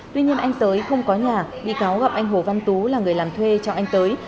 tuy nhiên anh tới không có nhà bị cáo gặp anh hồ văn tú là người làm thuê cho anh tới